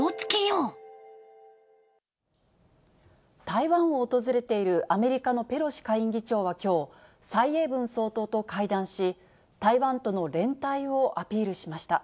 台湾を訪れているアメリカのペロシ下院議長はきょう、蔡英文総統と会談し、台湾との連帯をアピールしました。